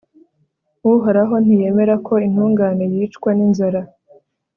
uhoraho ntiyemera ko intungane yicwa n'inzara